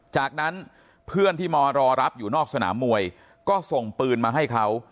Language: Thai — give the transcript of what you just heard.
จากนั้นเพื่อนที่มารอรับอยู่นอกสนามมวยก็ส่งปืนมาให้เขา